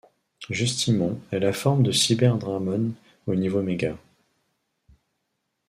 Justimon est la forme de Cyberdramon au niveau méga.